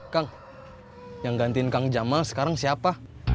kang yang gantiin kang jamal sekarang siapa